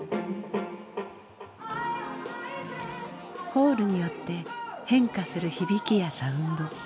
ホールによって変化する響きやサウンド。